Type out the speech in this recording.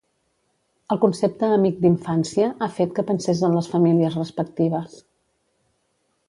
El concepte amic-d'infància ha fet que pensés en les famílies respectives.